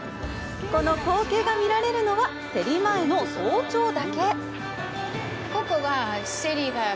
この光景が見られるのは競りの前の早朝だけ。